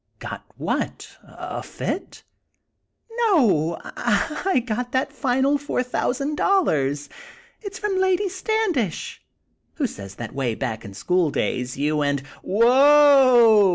"Got what? A fit?" "No! I got that final four thousand dollars! It's from Lady Standish, who says that way back in school days, you and " "Whoa!!